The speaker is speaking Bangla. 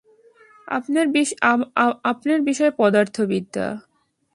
আপনার বিষয় পদার্থবিদ্যা।